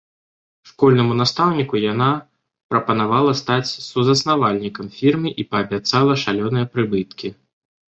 Школьнаму настаўніку яна прапанавала стаць сузаснавальнікам фірмы і паабяцала шалёныя прыбыткі.